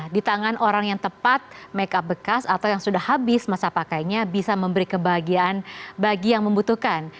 di tangan orang yang tepat make up bekas atau yang sudah habis masa pakainya bisa memberi kebahagiaan bagi yang membutuhkan